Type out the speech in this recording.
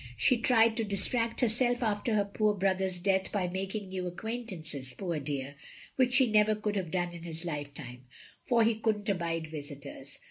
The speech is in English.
She tried to distract herself after her poor brother's death by making new acquaintances, poor dear, which she never could have done in his lifetime, for he cotdd n't abide OF GROSVENOR SQUARE 89 visitors.